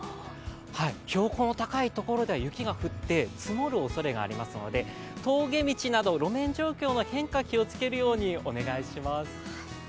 標高の高いところでは雪が降って、積もるおそれがありますので峠町など路面状況の変化気をつけるようにお願いします。